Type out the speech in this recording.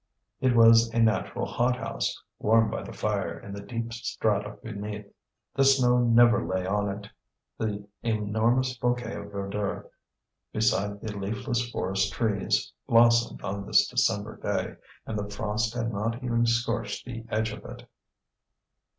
It was a natural hot house, warmed by the fire in the deep strata beneath. The snow never lay on it. The enormous bouquet of verdure, beside the leafless forest trees, blossomed on this December day, and the frost had not even scorched the edge of it.